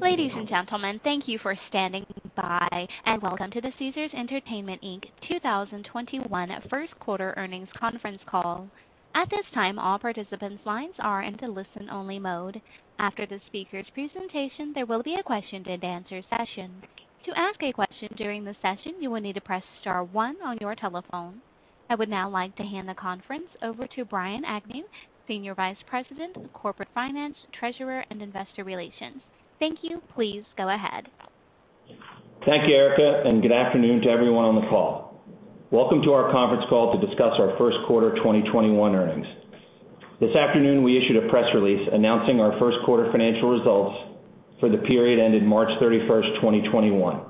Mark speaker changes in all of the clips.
Speaker 1: Ladies and gentlemen, thank you for standing by, and welcome to the Caesars Entertainment, Inc. 2021 first quarter earnings conference call. At this time, all participants' lines are into listen only mode. After the speaker's presentation, there will be a question-and-answer session. To ask a question during the session, you will need to press star one on your telephone. I would now like to hand the conference over to Brian Agnew, Senior Vice President, Corporate Finance, Treasury and Investor Relations. Thank you. Please go ahead.
Speaker 2: Thank you, Erica, and good afternoon to everyone on the call. Welcome to our conference call to discuss our first quarter 2021 earnings. This afternoon, we issued a press release announcing our first quarter financial results for the period ending March 31st, 2021.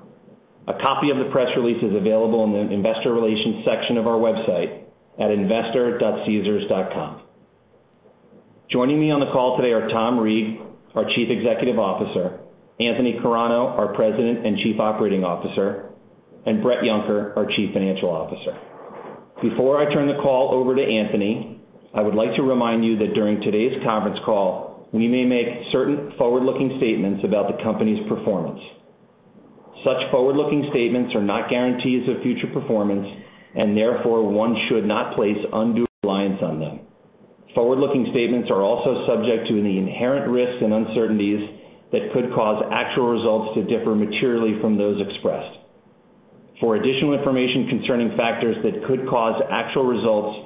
Speaker 2: A copy of the press release is available in the investor relations section of our website at investor.caesars.com. Joining me on the call today are Tom Reeg, our Chief Executive Officer, Anthony Carano, our President and Chief Operating Officer, and Bret Yunker, our Chief Financial Officer. Before I turn the call over to Anthony, I would like to remind you that during today's conference call, we may make certain forward-looking statements about the company's performance. Such forward-looking statements are not guarantees of future performance, and therefore, one should not place undue reliance on them. Forward-looking statements are also subject to the inherent risks and uncertainties that could cause actual results to differ materially from those expressed. For additional information concerning factors that could cause actual results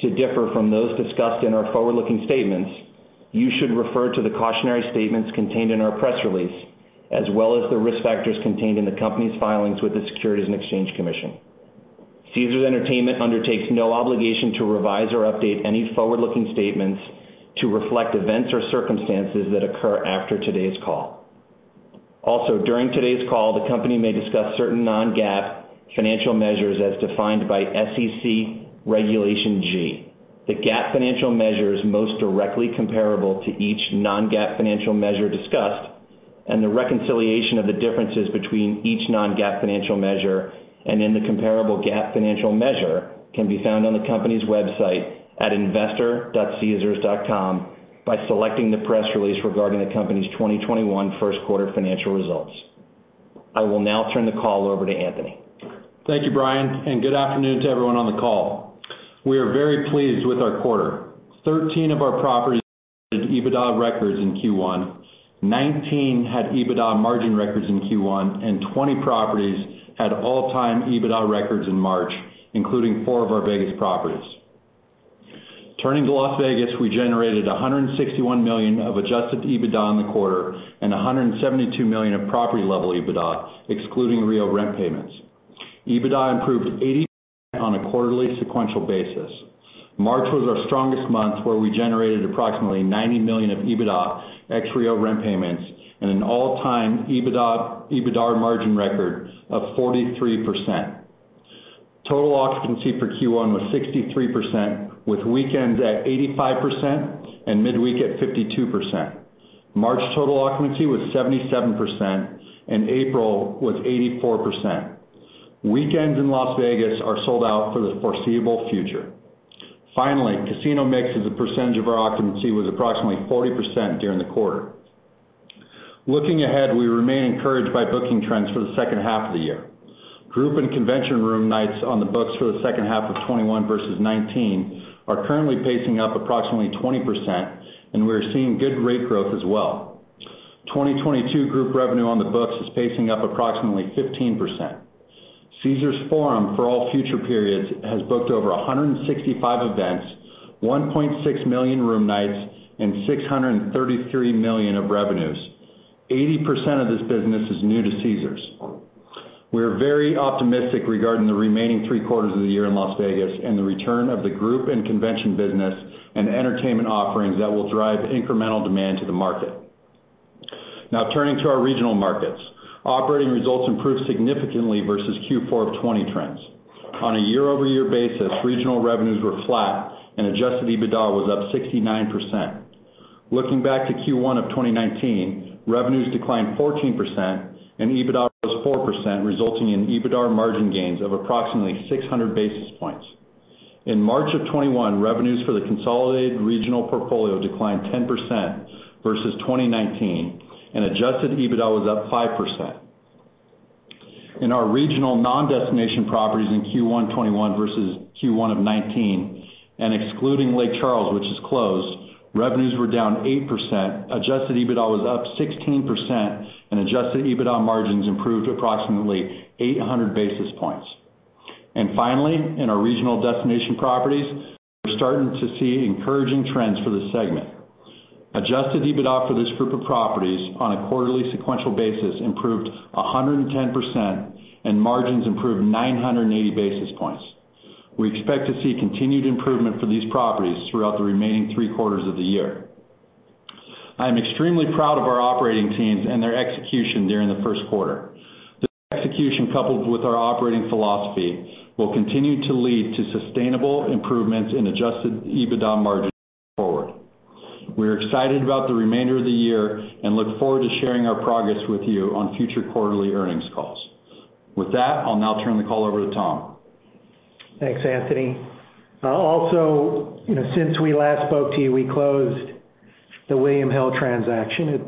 Speaker 2: to differ from those discussed in our forward-looking statements, you should refer to the cautionary statements contained in our press release, as well as the risk factors contained in the company's filings with the Securities and Exchange Commission. Caesars Entertainment undertakes no obligation to revise or update any forward-looking statements to reflect events or circumstances that occur after today's call. Also, during today's call, the company may discuss certain non-GAAP financial measures as defined by SEC Regulation G. The GAAP financial measures most directly comparable to each non-GAAP financial measure discussed, and the reconciliation of the differences between each non-GAAP financial measure and in the comparable GAAP financial measure, can be found on the company's website at investor.caesars.com by selecting the press release regarding the company's 2021 first quarter financial results. I will now turn the call over to Anthony.
Speaker 3: Thank you, Brian, and good afternoon to everyone on the call. We are very pleased with our quarter. 13 of our properties hit EBITDA records in Q1. 19 had EBITDA margin records in Q1, and 20 properties had all-time EBITDA records in March, including four of our Vegas properties. Turning to Las Vegas, we generated $161 million of adjusted EBITDA in the quarter and $172 million of property-level EBITDA, excluding Rio rent payments. EBITDA improved 80% on a quarterly sequential basis. March was our strongest month, where we generated approximately $90 million of EBITDA, ex Rio rent payments, and an all-time EBITDA margin record of 43%. Total occupancy for Q1 was 63%, with weekend at 85% and midweek at 52%. March total occupancy was 77%, and April was 84%. Weekends in Las Vegas are sold out for the foreseeable future. Finally, casino mix as a percentage of our occupancy was approximately 40% during the quarter. Looking ahead, we remain encouraged by booking trends for the second half of the year. Group and convention room nights on the books for the second half of 2021 versus 2019 are currently pacing up approximately 20%, and we're seeing good rate growth as well. 2022 group revenue on the books is pacing up approximately 15%. Caesars Forum, for all future periods, has booked over 165 events, 1.6 million room nights, and $33 million of revenues. 80% of this business is new to Caesars. We are very optimistic regarding the remaining three quarters of the year in Las Vegas and the return of the group and convention business and entertainment offerings that will drive incremental demand to the market. Now turning to our regional markets. Operating results improved significantly versus Q4 of 2020 trends. On a year-over-year basis, regional revenues were flat and adjusted EBITDA was up 69%. Looking back to Q1 of 2019, revenues declined 14% and EBITDA was 4%, resulting in EBITDAR margin gains of approximately 600 basis points. In March of 2021, revenues for the consolidated regional portfolio declined 10% versus 2019, adjusted EBITDA was up 5%. In our regional non-destination properties in Q1 2021 versus Q1 of 2019, excluding Lake Charles, which is closed, revenues were down 8%, adjusted EBITDA was up 16%, adjusted EBITDA margins improved approximately 800 basis points. Finally, in our regional destination properties, we're starting to see encouraging trends for the segment. Adjusted EBITDA for this group of properties on a quarterly sequential basis improved 110%, margins improved 980 basis points. We expect to see continued improvement for these properties throughout the remaining three quarters of the year. I am extremely proud of our operating teams and their execution during the first quarter. This execution, coupled with our operating philosophy, will continue to lead to sustainable improvements in adjusted EBITDA margins going forward. We're excited about the remainder of the year and look forward to sharing our progress with you on future quarterly earnings calls. With that, I'll now turn the call over to Tom.
Speaker 4: Thanks, Anthony. Since we last spoke to you, we closed the William Hill transaction. It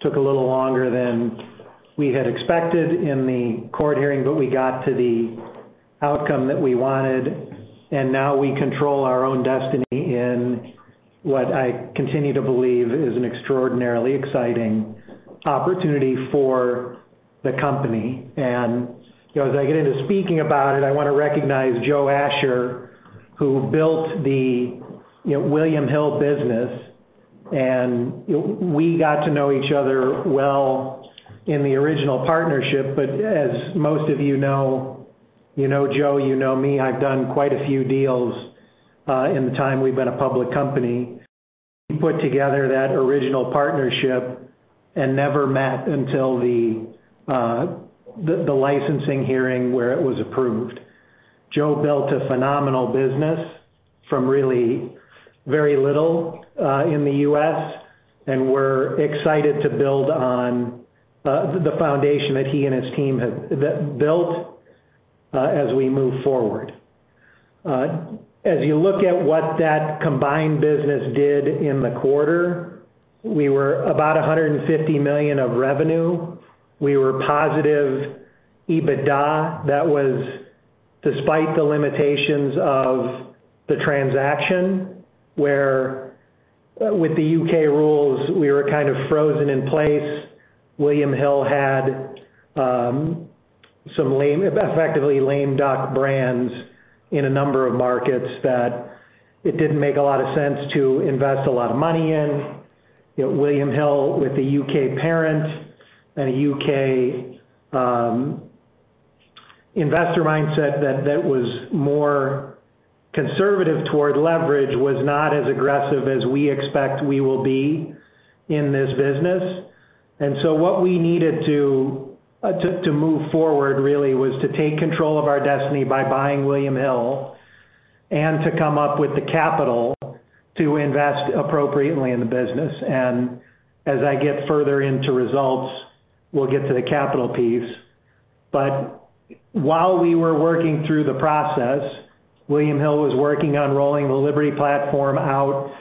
Speaker 4: took a little longer than we had expected in the court hearing, but we got to the outcome that we wanted, and now we control our own destiny in what I continue to believe is an extraordinarily exciting opportunity for the company. As I get into speaking about it, I want to recognize Joe Asher, who built the William Hill business. We got to know each other well in the original partnership. As most of you know Joe, you know me. I've done quite a few deals in the time we've been a public company. We put together that original partnership and never met until the licensing hearing where it was approved. Joe built a phenomenal business from really very little in the U.S., and we're excited to build on the foundation that he and his team have built as we move forward. As you look at what that combined business did in the quarter, we were about $150 million of revenue. We were positive EBITDA. That was despite the limitations of the transaction, where with the U.K. rules, we were kind of frozen in place. William Hill had some effectively lame duck brands in a number of markets that it didn't make a lot of sense to invest a lot of money in. William Hill, with the U.K. parent and a U.K. investor mindset that was more conservative toward leverage, was not as aggressive as we expect we will be in this business. What we needed to move forward really was to take control of our destiny by buying William Hill and to come up with the capital to invest appropriately in the business. As I get further into results, we'll get to the capital piece. While we were working through the process, William Hill was working on rolling the Liberty platform out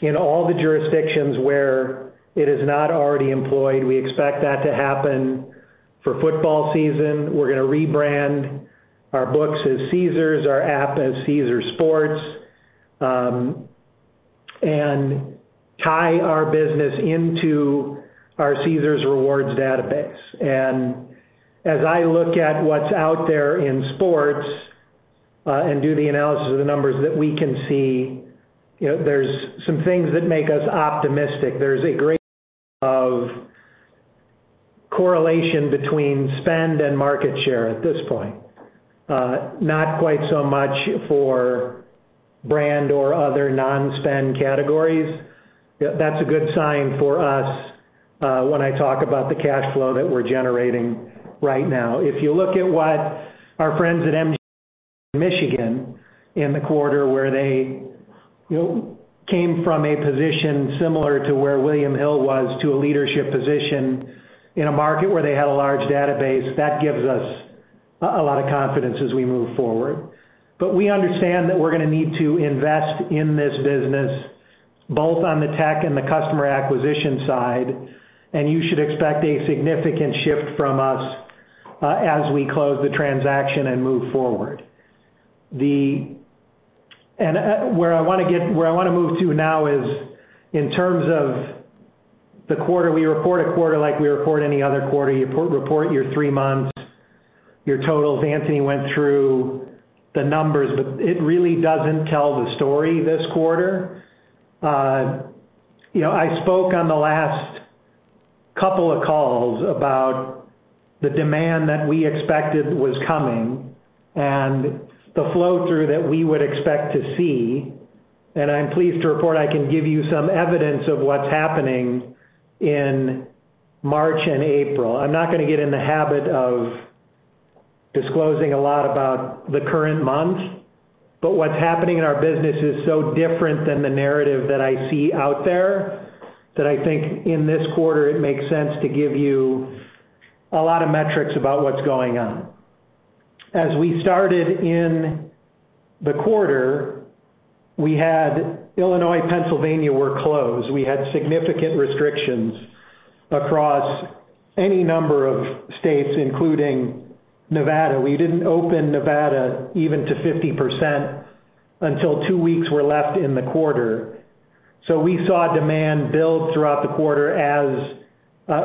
Speaker 4: in all the jurisdictions where it is not already employed. We expect that to happen for football season. We're going to rebrand our books as Caesars, our app as Caesars Sportsbook, and tie our business into our Caesars Rewards database. As I look at what's out there in sports and do the analysis of the numbers that we can see, there's some things that make us optimistic. There's a great of correlation between spend and market share at this point. Not quite so much for brand or other non-spend categories. That's a good sign for us when I talk about the cash flow that we're generating right now. If you look at what our friends at MGM in Michigan in the quarter, where they came from a position similar to where William Hill was to a leadership position in a market where they had a large database, that gives us a lot of confidence as we move forward. We understand that we're going to need to invest in this business, both on the tech and the customer acquisition side, and you should expect a significant shift from us as we close the transaction and move forward. Where I want to move to now is in terms of the quarter. We report a quarter like we report any other quarter. You report your three months, your totals. Anthony went through the numbers, but it really doesn't tell the story this quarter. I spoke on the last couple of calls about the demand that we expected was coming and the flow-through that we would expect to see, and I'm pleased to report I can give you some evidence of what's happening in March and April. I'm not going to get in the habit of disclosing a lot about the current month, but what's happening in our business is so different than the narrative that I see out there, that I think in this quarter it makes sense to give you a lot of metrics about what's going on. As we started in the quarter, Illinois, Pennsylvania were closed. We had significant restrictions across any number of states, including Nevada. We didn't open Nevada even to 50% until two weeks were left in the quarter. We saw demand build throughout the quarter as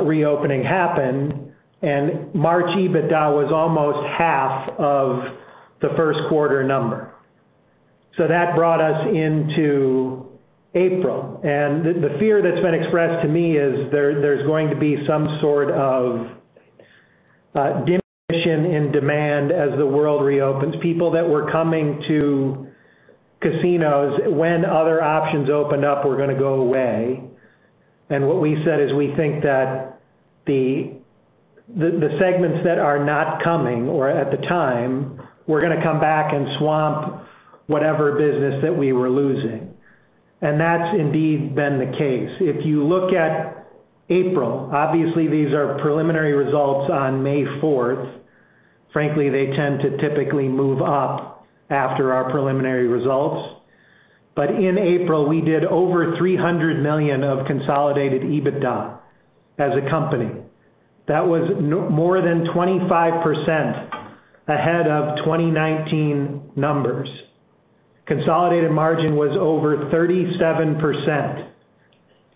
Speaker 4: reopening happened, and March EBITDA was almost half of the first quarter number. That brought us into April. The fear that's been expressed to me is there's going to be some sort of diminution in demand as the world reopens. People that were coming to casinos when other options opened up were going to go away. What we said is we think that the segments that are not coming or at the time, were going to come back and swamp whatever business that we were losing. That's indeed been the case. If you look at April, obviously these are preliminary results on May 4th. Frankly, they tend to typically move up after our preliminary results. In April, we did over $300 million of consolidated EBITDA as a company. That was more than 25% ahead of 2019 numbers. Consolidated margin was over 37%.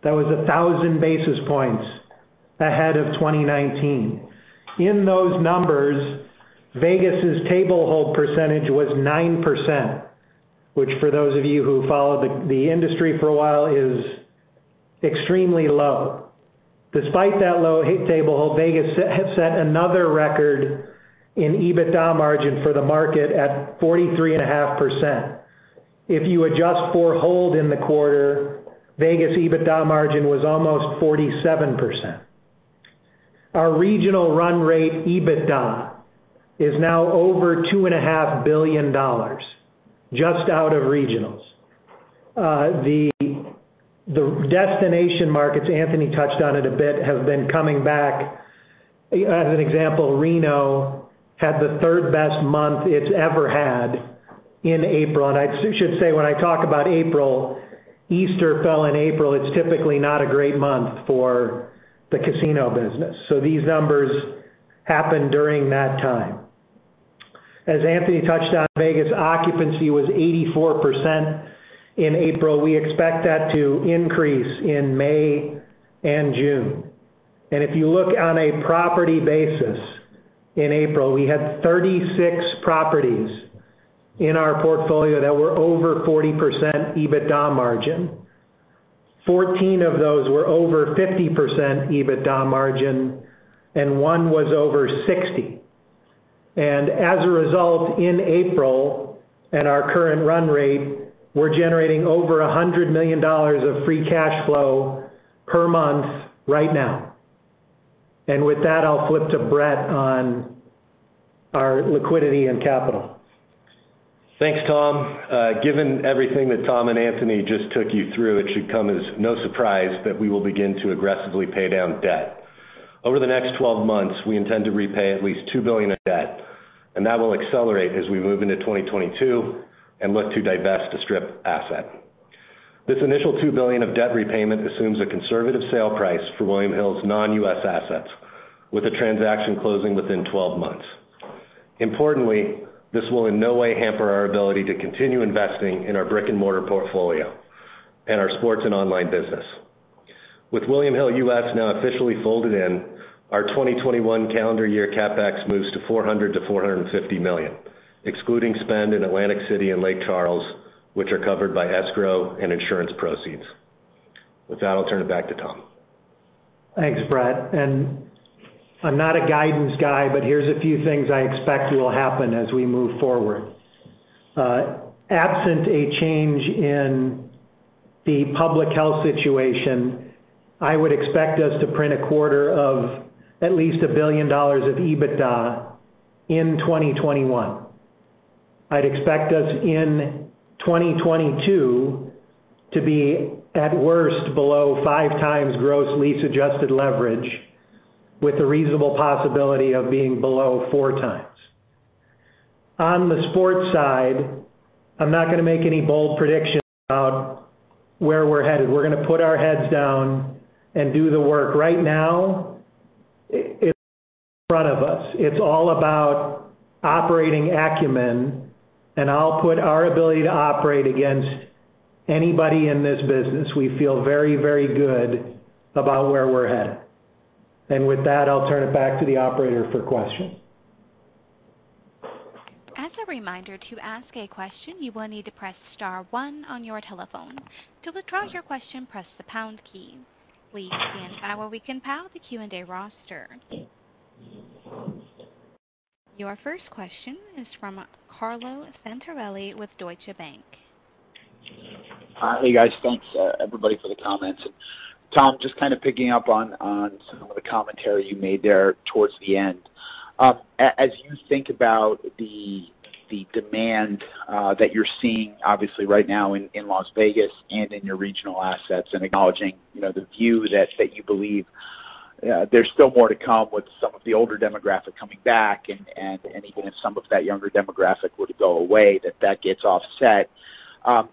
Speaker 4: That was 1,000 basis points ahead of 2019. In those numbers, Vegas' table hold percentage was 9%, which for those of you who followed the industry for a while, is extremely low. Despite that low hit table, Vegas has set another record in EBITDA margin for the market at 43.5%. If you adjust for hold in the quarter, Vegas EBITDA margin was almost 47%. Our regional run rate EBITDA is now over $2.5 billion, just out of regionals. The destination markets, Anthony touched on it a bit, have been coming back. As an example, Reno had the third-best month it's ever had in April. I should say, when I talk about April, Easter fell in April. It's typically not a great month for the casino business. These numbers happened during that time. As Anthony touched on, Vegas occupancy was 84% in April. We expect that to increase in May and June. If you look on a property basis, in April, we had 36 properties in our portfolio that were over 40% EBITDA margin. 14 of those were over 50% EBITDA margin, and one was over 60. As a result, in April, at our current run rate, we're generating over $100 million of free cash flow per month right now. With that, I'll flip to Bret on our liquidity and capital.
Speaker 5: Thanks, Tom. Given everything that Tom and Anthony just took you through, it should come as no surprise that we will begin to aggressively pay down debt. Over the next 12 months, we intend to repay at least $2 billion in debt, and that will accelerate as we move into 2022 and look to divest a strip asset. This initial $2 billion of debt repayment assumes a conservative sale price for William Hill's non-US assets, with the transaction closing within 12 months. Importantly, this will in no way hamper our ability to continue investing in our brick-and-mortar portfolio and our sports and online business. With William Hill US now officially folded in, our 2021 calendar year CapEx moves to $400 million-$450 million, excluding spend in Atlantic City and Lake Charles, which are covered by escrow and insurance proceeds. With that, I'll turn it back to Tom.
Speaker 4: Thanks, Bret. I'm not a guidance guy, but here's a few things I expect will happen as we move forward. Absent a change in the public health situation, I would expect us to print a quarter of at least $1 billion of EBITDA in 2021. I'd expect us in 2022 to be, at worst, below 5x gross lease adjusted leverage, with the reasonable possibility of being below 4x. On the sports side, I'm not going to make any bold predictions about where we're headed. We're going to put our heads down and do the work. Right now, it's in front of us. It's all about operating acumen, and I'll put our ability to operate against anybody in this business. We feel very, very good about where we're headed. With that, I'll turn it back to the operator for questions.
Speaker 1: Your first question is from Carlo Santarelli with Deutsche Bank.
Speaker 6: Hi, guys. Thanks, everybody for the comments. Tom, just kind of picking up on some of the commentary you made there towards the end. As you think about the demand that you're seeing, obviously right now in Las Vegas and in your regional assets and acknowledging the view that you believe there's still more to come with some of the older demographic coming back, and even if some of that younger demographic were to go away, that that gets offset.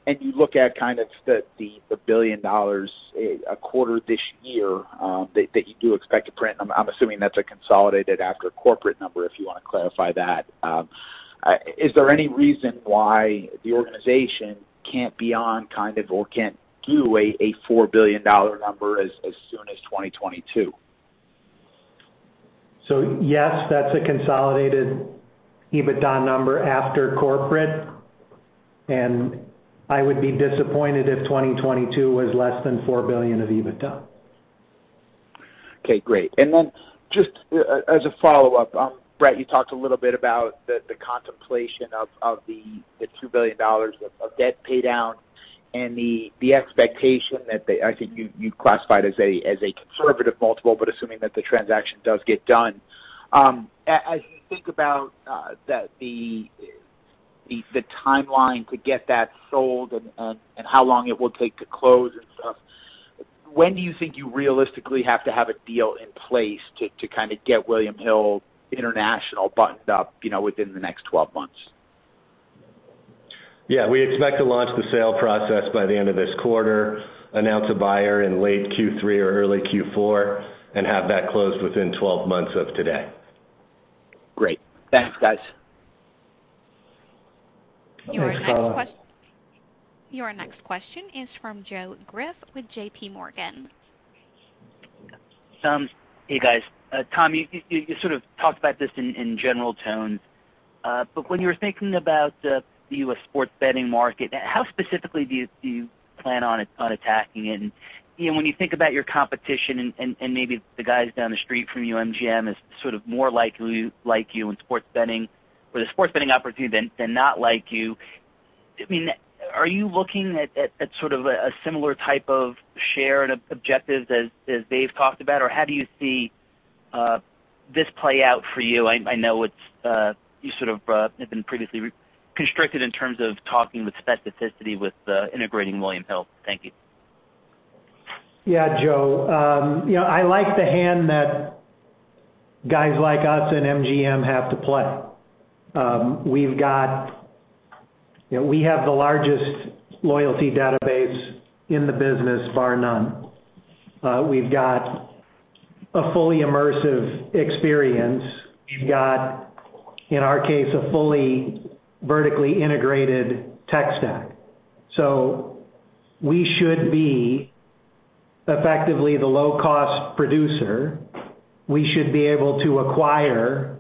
Speaker 6: You look at kind of the $1 billion a quarter this year that you do expect to print. I'm assuming that's a consolidated after corporate number, if you want to clarify that. Is there any reason why the organization can't be on kind of, or can't do a $4 billion number as soon as 2022?
Speaker 4: Yes, that's a consolidated EBITDA number after corporate, and I would be disappointed if 2022 was less than $4 billion of EBITDA.
Speaker 6: Okay, great. Just as a follow-up, Bret, you talked a little bit about the contemplation of the $2 billion of debt paydown and the expectation that, I think you classified as a conservative multiple, but assuming that the transaction does get done. As you think about the timeline to get that sold and how long it will take to close and stuff, when do you think you realistically have to have a deal in place to get William Hill International buttoned up within the next 12 months?
Speaker 5: Yeah. We expect to launch the sale process by the end of this quarter, announce a buyer in late Q3 or early Q4, and have that closed within 12 months of today.
Speaker 6: Great. Thanks, guys.
Speaker 4: Thanks, Carlo.
Speaker 1: Your next question is from Joe Greff with JPMorgan.
Speaker 7: Hey, guys. Tom, you sort of talked about this in general tone, when you were thinking about the U.S. sports betting market, how specifically do you plan on attacking it? When you think about your competition and maybe the guys down the street from you, MGM, as sort of more like you in sports betting or the sports betting opportunity than not like you, are you looking at sort of a similar type of share and objectives as they've talked about? How do you see this play out for you? I know you sort of have been previously constricted in terms of talking with specificity with integrating William Hill. Thank you.
Speaker 4: Yeah, Joe. I like the hand that guys like us and MGM have to play. We have the largest loyalty database in the business, bar none. We've got a fully immersive experience. We've got, in our case, a fully vertically integrated tech stack. We should be effectively the low-cost producer. We should be able to acquire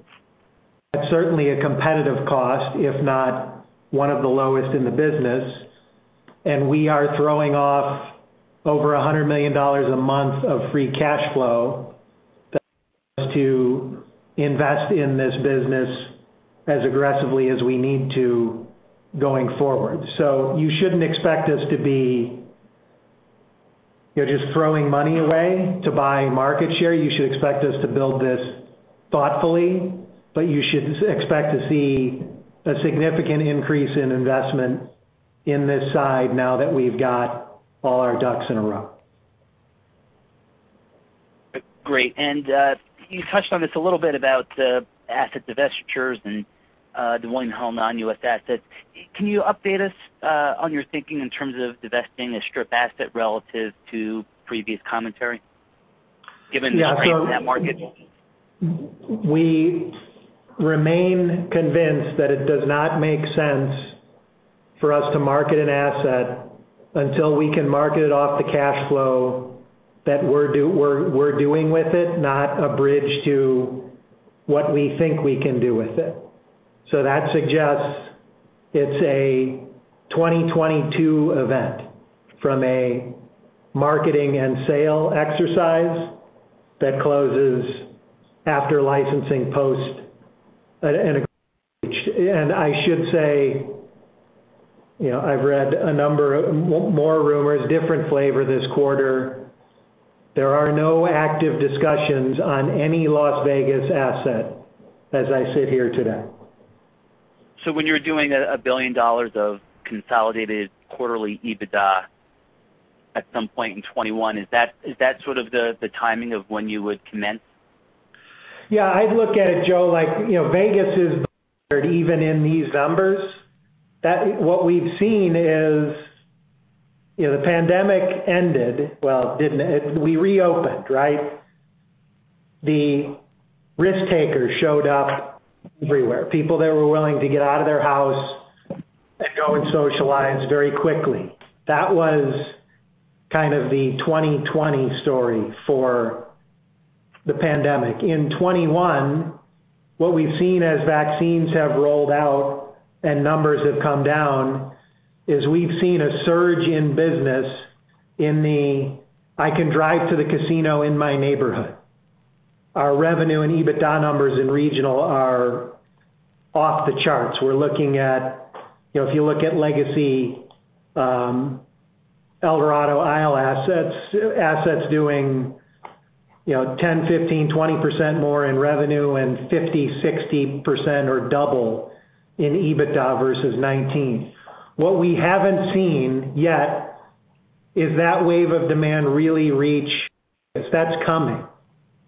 Speaker 4: at certainly a competitive cost, if not one of the lowest in the business, and we are throwing off over $100 million a month of free cash flow to invest in this business as aggressively as we need to going forward. You shouldn't expect us to be just throwing money away to buy market share. You should expect us to build this thoughtfully, but you should expect to see a significant increase in investment in this side now that we've got all our ducks in a row.
Speaker 7: Great. You touched on this a little bit about asset divestitures and the William Hill non-U.S. assets. Can you update us on your thinking in terms of divesting a strip asset relative to previous commentary, given the strength in that market?
Speaker 4: We remain convinced that it does not make sense for us to market an asset until we can market it off the cash flow that we're doing with it, not a bridge to what we think we can do with it. That suggests it's a 2022 event from a marketing and sale exercise that closes after licensing. I should say, I've read a number of more rumors, different flavor this quarter. There are no active discussions on any Las Vegas asset as I sit here today.
Speaker 7: When you're doing $1 billion of consolidated quarterly EBITDA at some point in 2021, is that sort of the timing of when you would commence?
Speaker 4: Yeah, I'd look at it, Joe, like Vegas is even in these numbers. What we've seen is the pandemic ended. Well, we reopened, right? The risk-takers showed up everywhere. People that were willing to get out of their house and go and socialize very quickly. That was kind of the 2020 story for the pandemic. In 2021, what we've seen as vaccines have rolled out and numbers have come down is we've seen a surge in business in the, I can drive to the casino in my neighborhood. Our revenue and EBITDA numbers in regional are off the charts. If you look at legacy Eldorado Resorts Isle assets doing 10%, 15%, 20% more in revenue and 50%, 60% or double in EBITDA versus 2019. What we haven't seen yet is that wave of demand really reach. That's coming.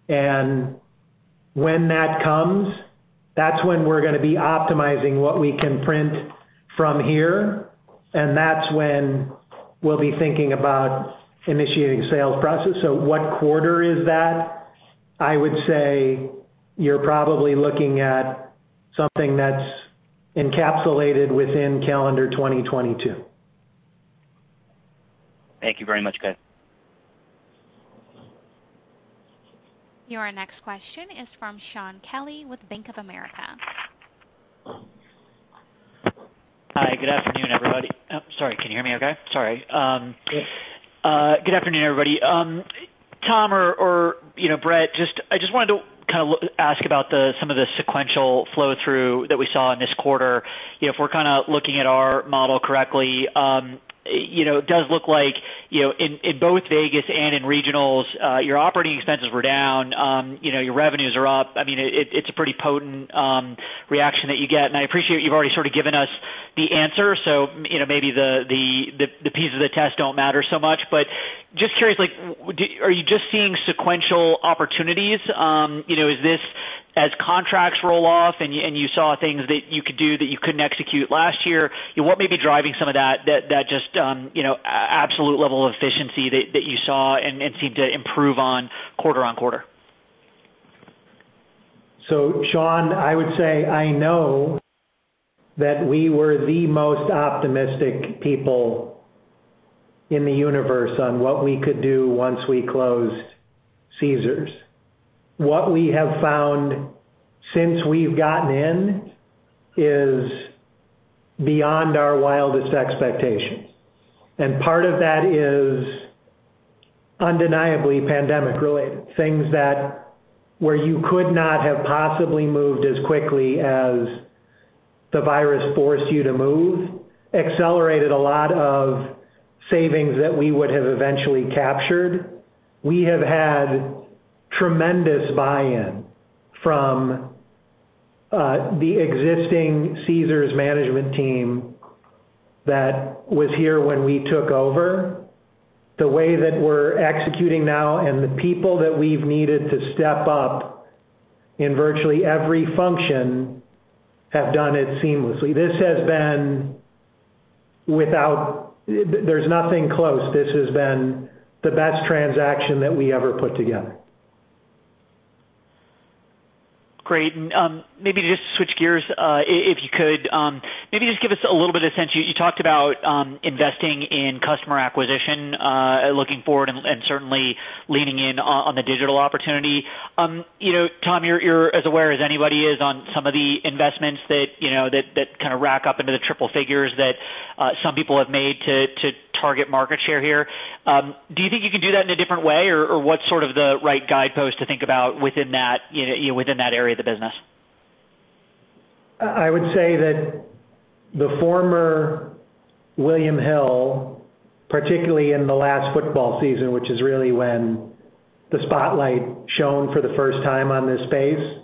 Speaker 4: When that comes, that's when we're going to be optimizing what we can print from here, and that's when we'll be thinking about initiating a sales process. What quarter is that? I would say you're probably looking at something that's encapsulated within calendar 2022.
Speaker 7: Thank you very much, guys.
Speaker 1: Your next question is from Shaun Kelley with Bank of America.
Speaker 8: Hi, good afternoon, everybody. Sorry, can you hear me okay? Sorry. Good afternoon, everybody. Tom or Bret, I just wanted to ask about some of the sequential flow-through that we saw in this quarter. If we're looking at our model correctly, it does look like, in both Vegas and in regionals, your operating expenses were down, your revenues are up. It's a pretty potent reaction that you get, and I appreciate you've already given us the answer. Maybe the pieces of the test don't matter so much, but just curious, are you just seeing sequential opportunities? Is this as contracts roll off and you saw things that you could do that you couldn't execute last year? What may be driving some of that absolute level of efficiency that you saw and seemed to improve on quarter-on-quarter?
Speaker 4: Shaun, I would say I know that we were the most optimistic people in the universe on what we could do once we closed Caesars. What we have found since we've gotten in is beyond our wildest expectations. Part of that is undeniably pandemic-related. Things that where you could not have possibly moved as quickly as the virus forced you to move, accelerated a lot of savings that we would have eventually captured. We have had tremendous buy-in from the existing Caesars management team that was here when we took over. The way that we're executing now and the people that we've needed to step up in virtually every function have done it seamlessly. There's nothing close. This has been the best transaction that we ever put together.
Speaker 8: Great. Maybe just to switch gears, if you could, maybe just give us a little bit of sense. You talked about investing in customer acquisition, looking forward and certainly leaning in on the digital opportunity. Tom Reeg, you're as aware as anybody is on some of the investments that rack up into the triple figures that some people have made to target market share here. Do you think you can do that in a different way? What's sort of the right guidepost to think about within that area of the business?
Speaker 4: I would say that the former William Hill, particularly in the last football season, which is really when the spotlight shone for the first time on this space,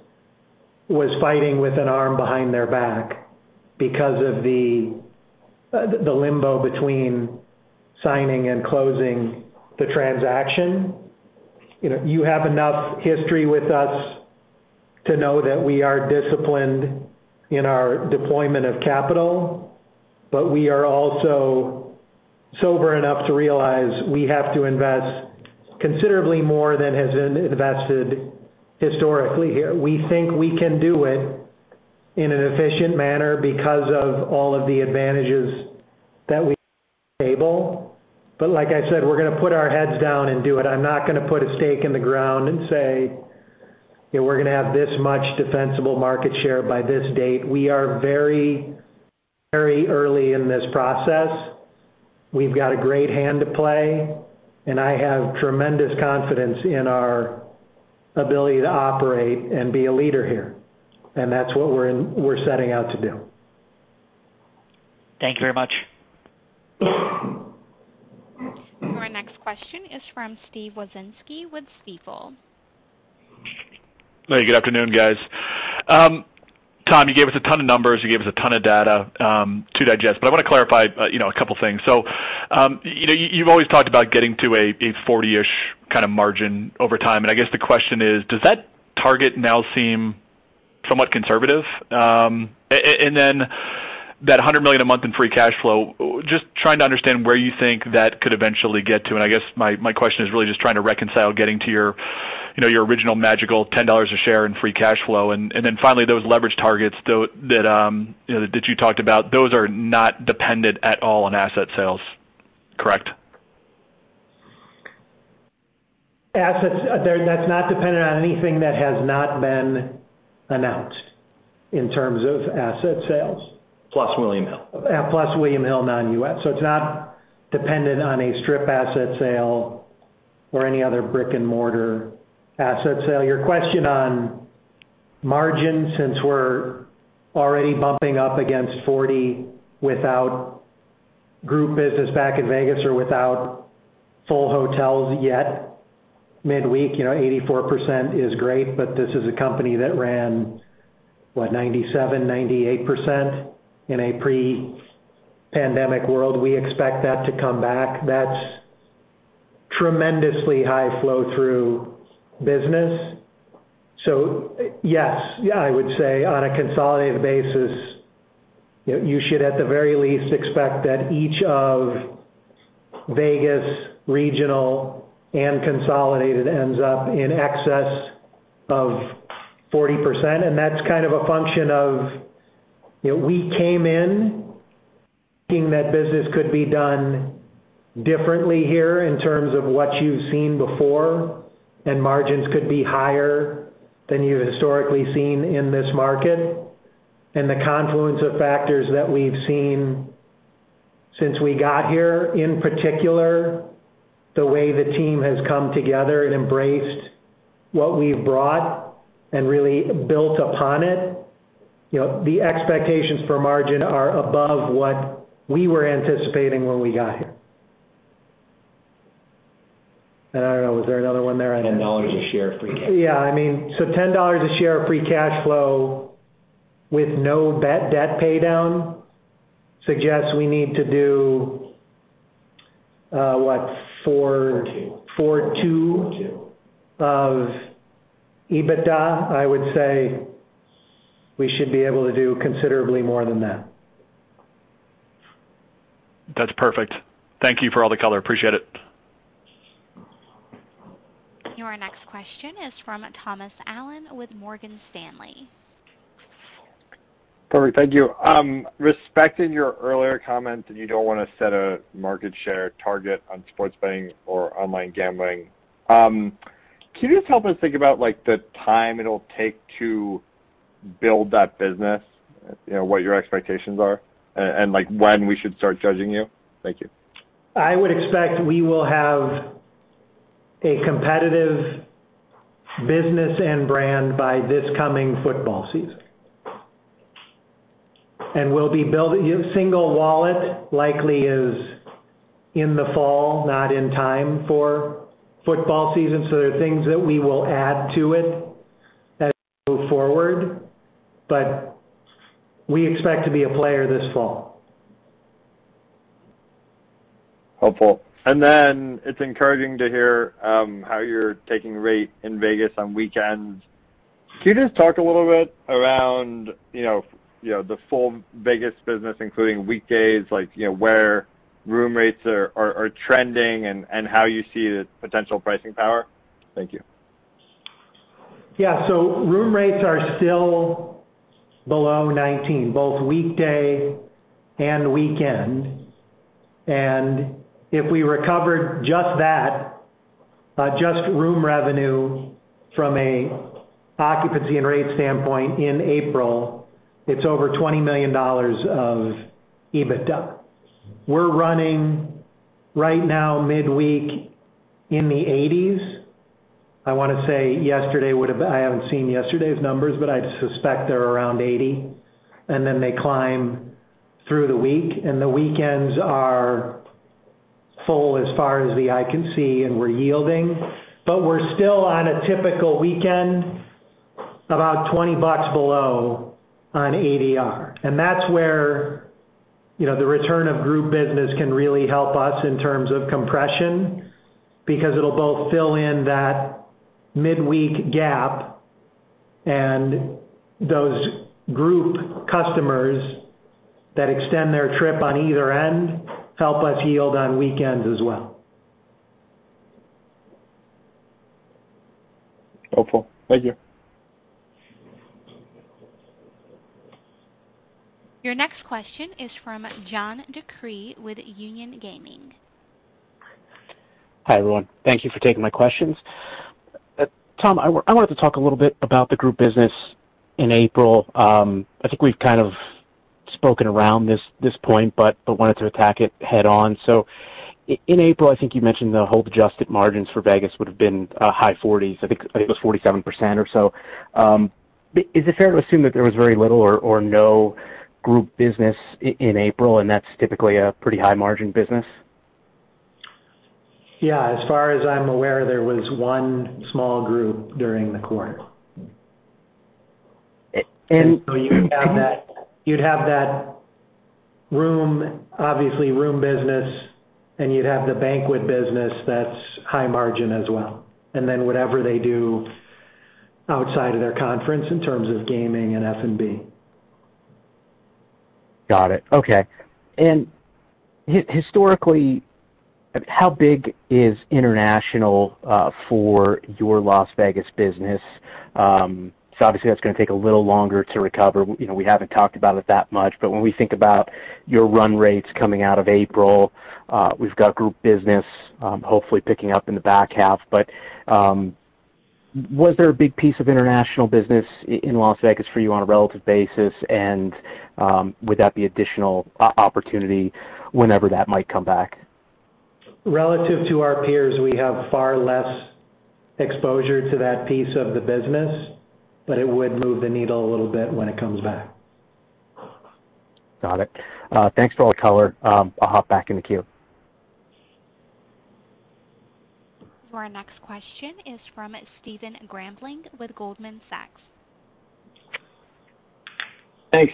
Speaker 4: was fighting with an arm behind their back because of the limbo between signing and closing the transaction. You have enough history with us to know that we are disciplined in our deployment of capital, but we are also sober enough to realize we have to invest considerably more than has been invested historically here. We think we can do it in an efficient manner because of all of the advantages that we table. Like I said, we're going to put our heads down and do it. I'm not going to put a stake in the ground and say that we're going to have this much defensible market share by this date. We are very early in this process. We've got a great hand to play. I have tremendous confidence in our ability to operate and be a leader here. That's what we're setting out to do.
Speaker 8: Thank you very much.
Speaker 1: Our next question is from Steve Wieczynski with Stifel.
Speaker 9: Hey, good afternoon, guys. Tom, you gave us a ton of numbers, you gave us a ton of data to digest. I want to clarify a couple things. You've always talked about getting to a 40-ish kind of margin over time. I guess the question is, does that target now seem somewhat conservative? That $100 million a month in free cash flow, just trying to understand where you think that could eventually get to. I guess my question is really just trying to reconcile getting to your original magical $10 a share in free cash flow. Finally, those leverage targets that you talked about, those are not dependent at all on asset sales, correct?
Speaker 4: That's not dependent on anything that has not been announced in terms of asset sales.
Speaker 9: Plus William Hill.
Speaker 4: Plus William Hill non-US. It's not dependent on a strip asset sale or any other brick-and-mortar asset sale. Your question on margin, since we're already bumping up against 40% without group business back in Vegas or without full hotels yet. Midweek, 84% is great, but this is a company that ran, what? 97%, 98% in a pre-pandemic world. We expect that to come back. That's tremendously high flow-through business. Yes, I would say on a consolidated basis, you should at the very least expect that each of Vegas regional and consolidated ends up in excess of 40%. And that's kind of a function of we came in thinking that business could be done differently here in terms of what you've seen before, and margins could be higher than you've historically seen in this market. The confluence of factors that we've seen since we got here, in particular, the way the team has come together and embraced what we've brought and really built upon it. The expectations for margin are above what we were anticipating when we got here.
Speaker 9: I don't know, was there another one there? $10 a share free cash flow.
Speaker 4: Yeah. $10 a share free cash flow with no debt paydown suggests we need to do, what, four-
Speaker 9: Four, two
Speaker 4: four, two
Speaker 9: Four, two
Speaker 4: of EBITDA. I would say we should be able to do considerably more than that.
Speaker 9: That's perfect. Thank you for all the color. Appreciate it.
Speaker 1: Your next question is from Thomas Allen with Morgan Stanley.
Speaker 10: Thomas, thank you. Respecting your earlier comment that you don't want to set a market share target on sports betting or online gambling, can you just help us think about the time it'll take to build that business? What your expectations are, and when we should start judging you? Thank you.
Speaker 4: I would expect we will have a competitive business and brand by this coming football season. Your single wallet likely is in the fall, not in time for football season, so there are things that we will add to it as we move forward. We expect to be a player this fall.
Speaker 10: Helpful. It's encouraging to hear how you're taking rate in Vegas on weekends. Can you just talk a little bit around the full Vegas business, including weekdays, like, where room rates are trending and how you see the potential pricing power? Thank you.
Speaker 4: Yeah. Room rates are still below 2019, both weekday and weekend. If we recovered just that, just room revenue from a occupancy and rate standpoint in April, it's over $20 million of EBITDA. We're running right now midweek in the 80s. I want to say yesterday I haven't seen yesterday's numbers, but I'd suspect they're around 80, and then they climb through the week, and the weekends are full as far as the eye can see, and we're yielding. We're still on a typical weekend, about $20 below on ADR. That's where the return of group business can really help us in terms of compression, because it'll both fill in that midweek gap, and those group customers that extend their trip on either end help us yield on weekends as well.
Speaker 10: Helpful. Thank you.
Speaker 1: Your next question is from John DeCree with Union Gaming.
Speaker 11: Hi, everyone. Thank you for taking my questions. Tom, I wanted to talk a little bit about the group business in April. I think we've kind of spoken around this point, but wanted to attack it head on. In April, I think you mentioned the hold-adjusted margins for Vegas would've been high forties. I think it was 47% or so. Is it fair to assume that there was very little or no group business in April, and that's typically a pretty high-margin business?
Speaker 4: Yeah. As far as I'm aware, there was one small group during the quarter.
Speaker 11: And-
Speaker 4: You'd have that room, obviously room business, and you'd have the banquet business that's high margin as well. Whatever they do outside of their conference in terms of gaming and F&B.
Speaker 11: Got it. Okay. Historically, how big is international for your Las Vegas business? Obviously, that's going to take a little longer to recover. We haven't talked about it that much, but when we think about your run rates coming out of April, we've got group business hopefully picking up in the back half. Was there a big piece of international business in Las Vegas for you on a relative basis? Would that be additional opportunity whenever that might come back?
Speaker 4: Relative to our peers, we have far less exposure to that piece of the business, but it would move the needle a little bit when it comes back.
Speaker 11: Got it. Thanks for all the color. I'll hop back in the queue.
Speaker 1: Your next question is from Stephen Grambling with Goldman Sachs.
Speaker 12: Thanks.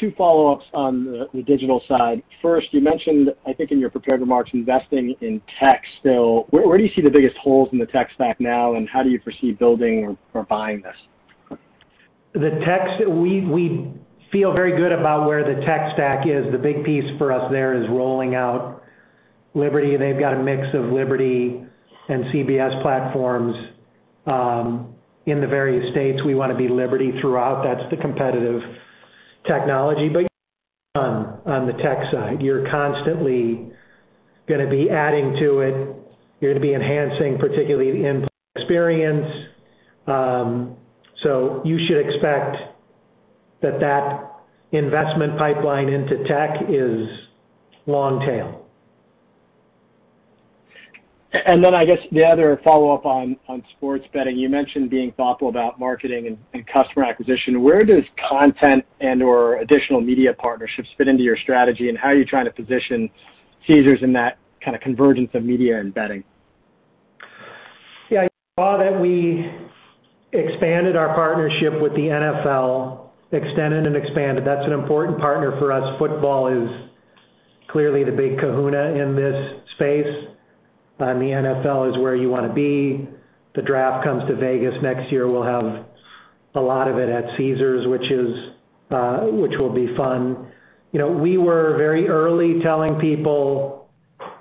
Speaker 12: Two follow-ups on the digital side. First, you mentioned, I think in your prepared remarks, investing in tech still. Where do you see the biggest holes in the tech stack now, and how do you foresee building or buying this?
Speaker 4: We feel very good about where the tech stack is. The big piece for us there is rolling out Liberty. They've got a mix of Liberty and CBS platforms, in the various states. We want to be Liberty throughout. That's the competitive technology. You're never done on the tech side. You're constantly going to be adding to it. You're going to be enhancing, particularly the end user experience. You should expect that investment pipeline into tech is long tail.
Speaker 12: I guess the other follow-up on sports betting, you mentioned being thoughtful about marketing and customer acquisition. Where does content and/or additional media partnerships fit into your strategy, and how are you trying to position Caesars in that kind of convergence of media and betting?
Speaker 4: Yeah. You saw that we expanded our partnership with the NFL, extended and expanded. That's an important partner for us. Football is clearly the big kahuna in this space. The NFL is where you want to be. The draft comes to Vegas next year. We'll have a lot of it at Caesars, which will be fun. We were very early telling people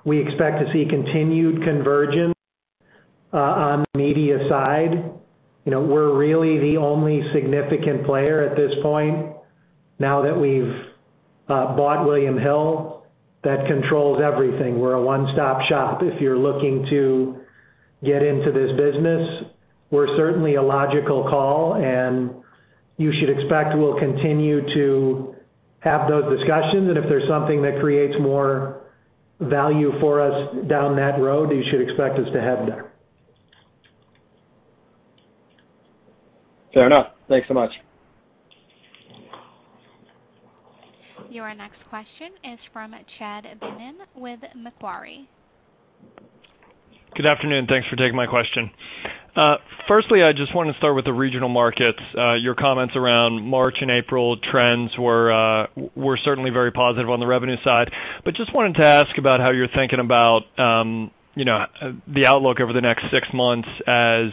Speaker 4: we expect to see continued convergence on the media side. We're really the only significant player at this point now that we've bought William Hill. That controls everything. We're a one-stop shop. If you're looking to get into this business, we're certainly a logical call, and you should expect we'll continue to have those discussions. If there's something that creates more value for us down that road, you should expect us to head there.
Speaker 12: Fair enough. Thanks so much.
Speaker 1: Your next question is from Chad Beynon with Macquarie.
Speaker 13: Good afternoon. Thanks for taking my question. I just wanted to start with the regional markets. Your comments around March and April trends were certainly very positive on the revenue side, but just wanted to ask about how you're thinking about the outlook over the next six months as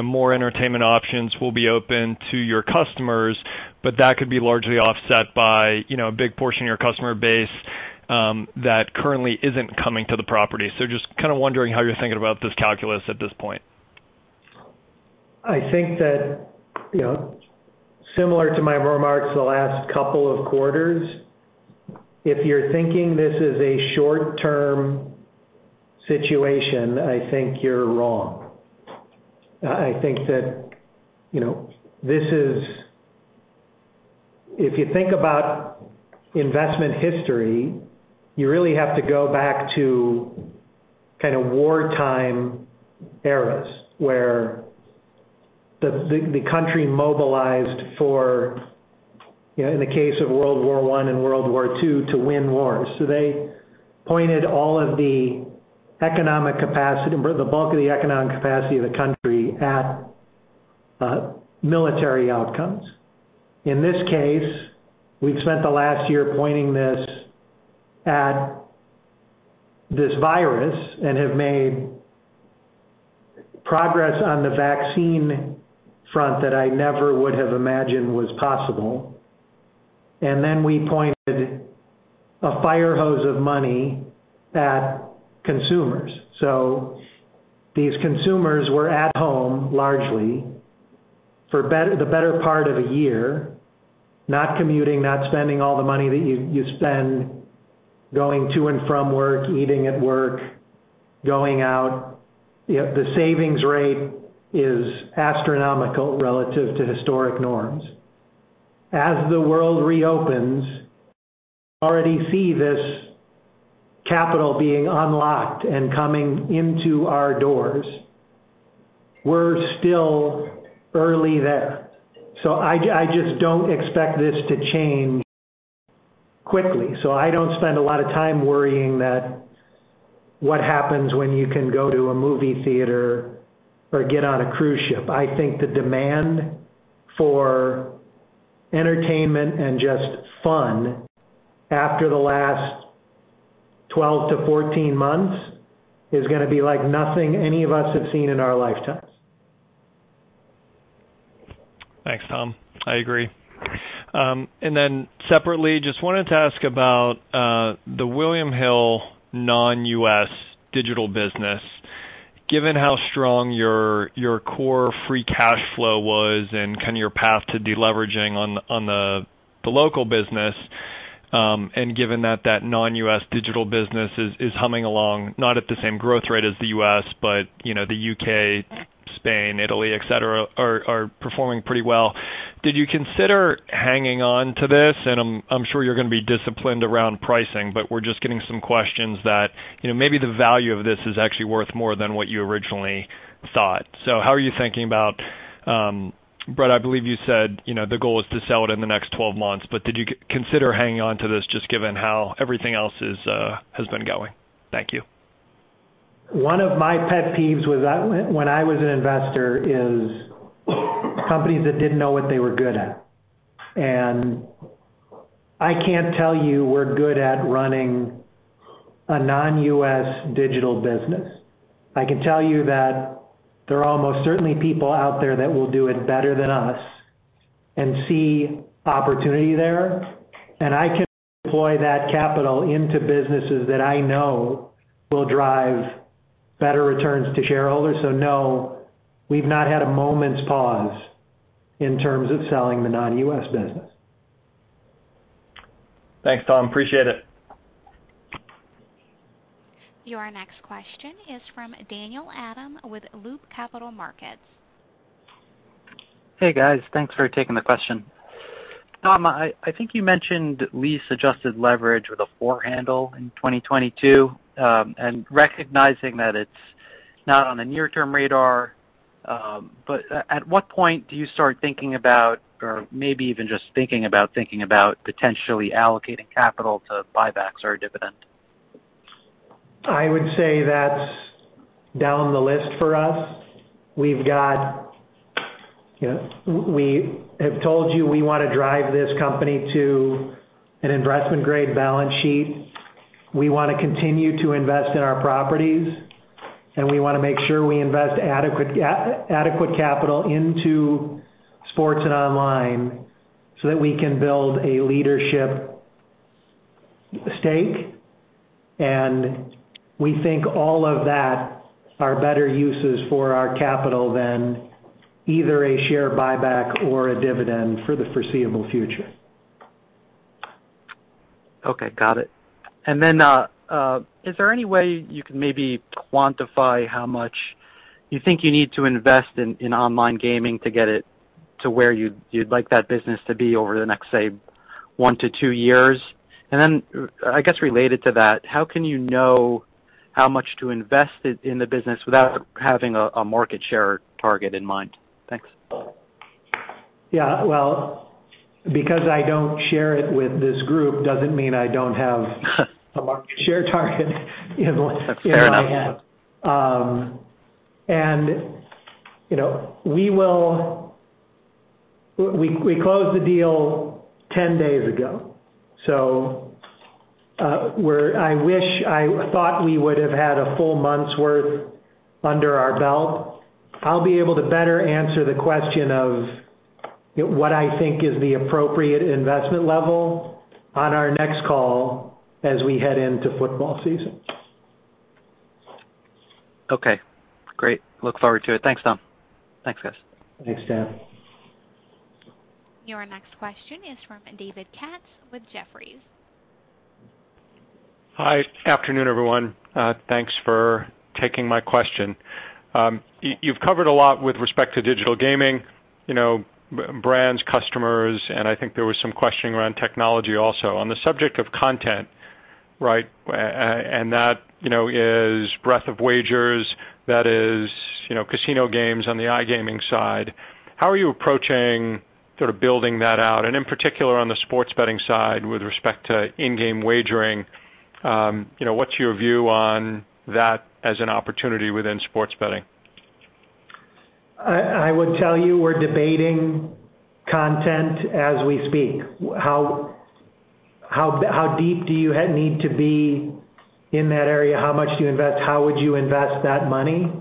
Speaker 13: more entertainment options will be open to your customers, but that could be largely offset by a big portion of your customer base that currently isn't coming to the property. Just kind of wondering how you're thinking about this calculus at this point.
Speaker 4: I think, similar to my remarks the last couple of quarters, if you're thinking this is a short-term situation, I think you're wrong. I think if you think about investment history, you really have to go back to kind of wartime eras, where the country mobilized for, in the case of World War I and World War II, to win wars. They pointed the bulk of the economic capacity of the country at military outcomes. In this case, we've spent the last year pointing this at this virus and have made progress on the vaccine front that I never would have imagined was possible. We pointed a fire hose of money at consumers. These consumers were at home largely for the better part of a year, not commuting, not spending all the money that you spend going to and from work, eating at work, going out. The savings rate is astronomical relative to historic norms. As the world reopens, we already see this capital being unlocked and coming into our doors. We're still early there. I just don't expect this to change quickly. I don't spend a lot of time worrying what happens when you can go to a movie theater or get on a cruise ship. I think the demand for entertainment and just fun after the last 12-14 months is going to be like nothing any of us have seen in our lifetimes.
Speaker 13: Thanks, Tom. I agree. Separately, just wanted to ask about the William Hill non-U.S. digital business. Given how strong your core free cash flow was and kind of your path to deleveraging on the local business, and given that that non-U.S. digital business is humming along, not at the same growth rate as the U.S., but the U.K., Spain, Italy, et cetera, are performing pretty well. Did you consider hanging on to this? I'm sure you're going to be disciplined around pricing, but we're just getting some questions that maybe the value of this is actually worth more than what you originally thought. How are you thinking about this, Bret? I believe you said the goal is to sell it in the next 12 months, but did you consider hanging on to this just given how everything else has been going? Thank you.
Speaker 4: One of my pet peeves when I was an investor is companies that didn't know what they were good at. I can't tell you we're good at running a non-U.S. digital business. I can tell you that there are almost certainly people out there that will do it better than us and see opportunity there. I can deploy that capital into businesses that I know will drive better returns to shareholders. No, we've not had a moment's pause in terms of selling the non-U.S. business.
Speaker 13: Thanks, Tom. Appreciate it.
Speaker 1: Your next question is from Daniel Adam with Loop Capital Markets.
Speaker 14: Hey, guys. Thanks for taking the question. Tom, I think you mentioned lease adjusted leverage with a four handle in 2022, and recognizing that it's not on the near-term radar. At what point do you start thinking about, or maybe even just thinking about potentially allocating capital to buybacks or a dividend?
Speaker 4: I would say that's down the list for us. We have told you we want to drive this company to an investment-grade balance sheet. We want to continue to invest in our properties, and we want to make sure we invest adequate capital into sports and online so that we can build a leadership stake. We think all of that are better uses for our capital than either a share buyback or a dividend for the foreseeable future.
Speaker 14: Okay, got it. Is there any way you can maybe quantify how much you think you need to invest in online gaming to get it to where you'd like that business to be over the next, say, one to two years? I guess related to that, how can you know how much to invest in the business without having a market share target in mind? Thanks.
Speaker 4: Yeah. Well, because I don't share it with this group doesn't mean I don't have a market share target in my head.
Speaker 14: That's fair enough.
Speaker 4: We closed the deal 10 days ago, so I thought we would've had a full month's worth under our belt. I'll be able to better answer the question of what I think is the appropriate investment level on our next call as we head into football season.
Speaker 14: Okay, great. Look forward to it. Thanks, Tom. Thanks, guys.
Speaker 4: Thanks, Dan.
Speaker 1: Your next question is from David Katz with Jefferies.
Speaker 15: Hi. Afternoon, everyone. Thanks for taking my question. You've covered a lot with respect to digital gaming, brands, customers, and I think there was some questioning around technology also. On the subject of content, and that is breadth of wagers, that is casino games on the iGaming side, how are you approaching sort of building that out? In particular, on the sports betting side, with respect to in-game wagering, what's your view on that as an opportunity within sports betting?
Speaker 4: I would tell you we're debating content as we speak. How deep do you need to be in that area? How much do you invest? How would you invest that money?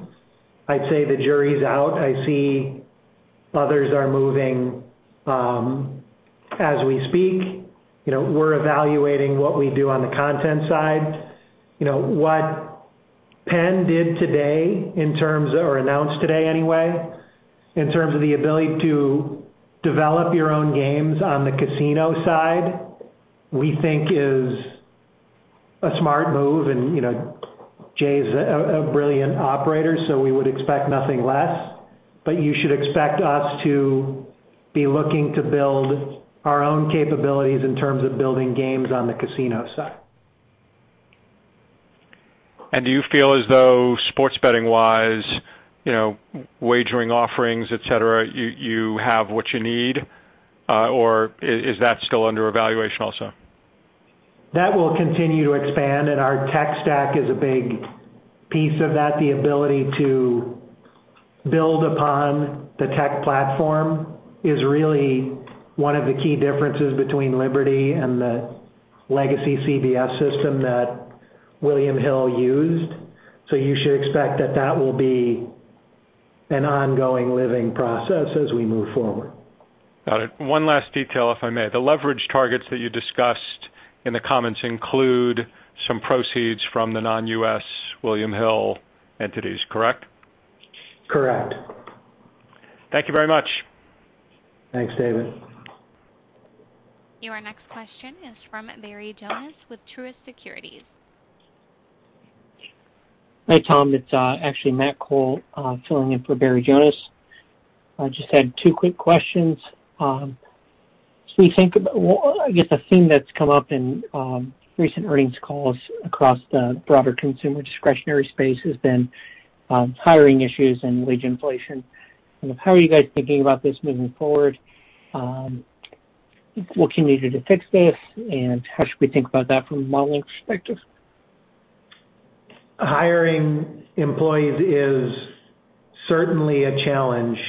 Speaker 4: I'd say the jury is out. I see others are moving as we speak. We're evaluating what we do on the content side. What Penn did today, or announced today anyway, in terms of the ability to develop your own games on the casino side, we think is a smart move. Jay's a brilliant operator, so we would expect nothing less. You should expect us to be looking to build our own capabilities in terms of building games on the casino side.
Speaker 15: Do you feel as though sports betting-wise, wagering offerings, et cetera, you have what you need? Or is that still under evaluation also?
Speaker 4: That will continue to expand, and our tech stack is a big piece of that. The ability to build upon the tech platform is really one of the key differences between Liberty and the Legacy CBS system that William Hill used. You should expect that that will be an ongoing, living process as we move forward.
Speaker 15: Got it. One last detail, if I may. The leverage targets that you discussed in the comments include some proceeds from the non-US William Hill entities, correct?
Speaker 4: Correct.
Speaker 15: Thank you very much.
Speaker 4: Thanks, David.
Speaker 1: Your next question is from Barry Jonas with Truist Securities.
Speaker 16: Hi, Tom. It's actually Matt Cole filling in for Barry Jonas. I just had two quick questions. I guess a theme that's come up in recent earnings calls across the broader consumer discretionary space has been hiring issues and wage inflation. How are you guys thinking about this moving forward? What can you do to fix this, and how should we think about that from a modeling perspective?
Speaker 4: Hiring employees is certainly a challenge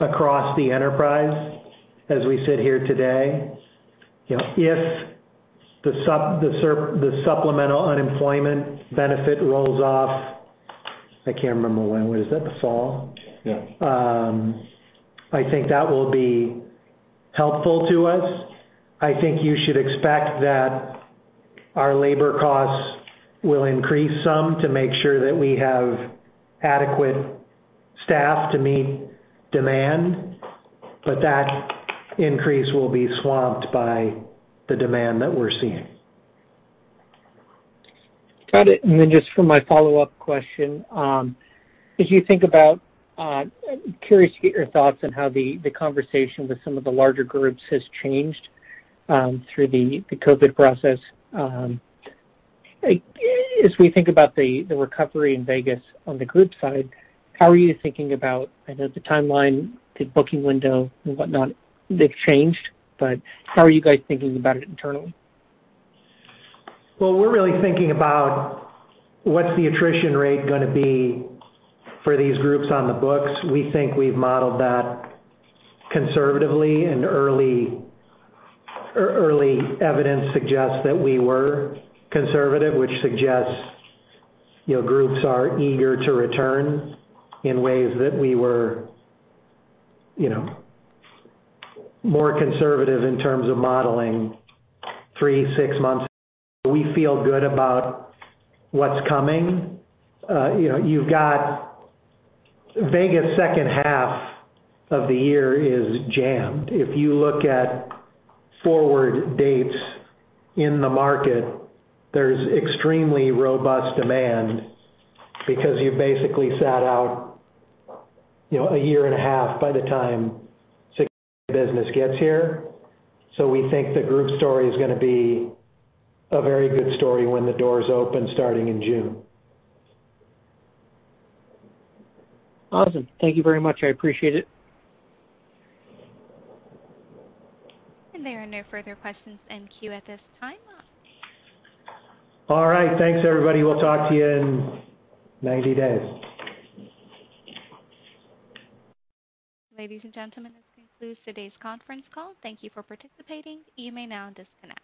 Speaker 4: across the enterprise as we sit here today. If the supplemental unemployment benefit rolls off, I can't remember when. Was that the fall?
Speaker 3: Yeah.
Speaker 4: I think that will be helpful to us. I think you should expect that our labor costs will increase some to make sure that we have adequate staff to meet demand. That increase will be swamped by the demand that we're seeing.
Speaker 16: Got it. Just for my follow-up question, as you think about, I'm curious to get your thoughts on how the conversation with some of the larger groups has changed through the COVID process. As we think about the recovery in Vegas on the group side, how are you thinking about, I know the timeline, the booking window and whatnot, they've changed, but how are you guys thinking about it internally?
Speaker 4: Well, we're really thinking about what's the attrition rate going to be for these groups on the books. We think we've modeled that conservatively, and early evidence suggests that we were conservative, which suggests groups are eager to return in ways that we were more conservative in terms of modeling three, six months. We feel good about what's coming. You've got Vegas' second half of the year is jammed. If you look at forward dates in the market, there's extremely robust demand because you've basically sat out a year and a half by the time business gets here. We think the group story is going to be a very good story when the doors open starting in June.
Speaker 16: Awesome. Thank you very much. I appreciate it.
Speaker 1: There are no further questions in queue at this time.
Speaker 4: All right. Thanks, everybody. We'll talk to you in 90 days.
Speaker 1: Ladies and gentlemen, this concludes today's conference call. Thank you for participating. You may now disconnect.